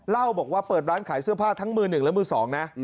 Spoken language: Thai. เล่าบอกว่าเปิดร้านขายเสื้อผ้าทั้งมือหนึ่งและมือสองนะ